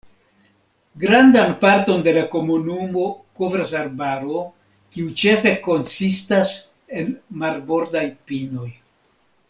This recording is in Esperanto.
Grandan parton de la komunumo kovras arbaro, kiu ĉefe konsistas el marbordaj pinoj.